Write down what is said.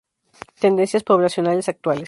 Tendencias poblacionales actuales.